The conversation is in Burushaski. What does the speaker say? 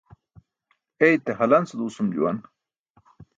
Eite halance duusum juwan.